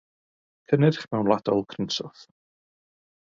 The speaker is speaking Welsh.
Cynnyrch Mewnwladol Crynswth.